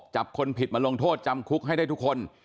จับคนผิดมาลงโทษจำคุกให้ได้ทุกคน